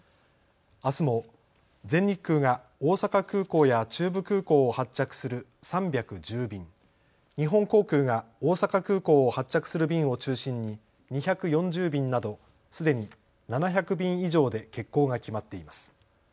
あすも全日空が大阪空港や中部空港を発着する３１０便、日本航空が大阪空港を発着する便を中心に２４０便などすでに７００便以上で欠航が決まっています。